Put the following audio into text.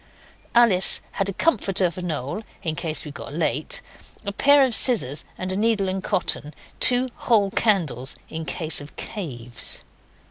Alice had a comforter for Noel in case we got late, a pair of scissors and needle and cotton, two whole candles in case of caves.